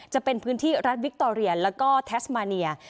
จะเป็นพื้นที่รัฐวิคตอเรียแล้วก็แทสมาเนีย